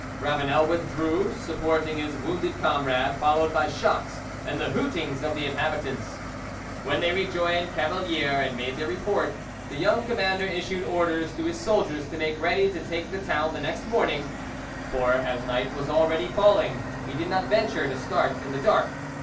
Ravanel withdrew, supporting his wounded comrade, followed by shots and the hootings of the inhabitants. When they rejoined Cavalier and made their report, the young commander issued orders to his soldiers to make ready to take the town the next morning; for, as night was already falling, he did not venture to start in the dark.